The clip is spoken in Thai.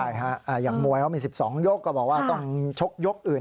ใช่ฮะอย่างมวยเขามี๑๒ยกก็บอกว่าต้องชกยกอื่น